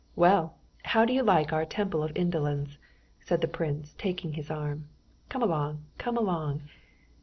"Well, how do you like our Temple of Indolence?" said the prince, taking his arm. "Come along, come along!"